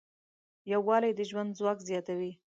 یووالی د ژوند ځواک زیاتوي.